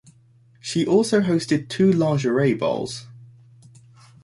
She also hosted two Lingerie Bowls.